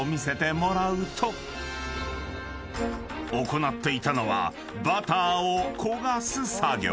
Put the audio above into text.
［行っていたのはバターを焦がす作業］